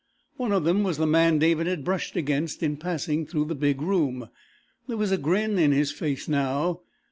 One of them was the man David had brushed against in passing through the big room. There was a grin in his face now.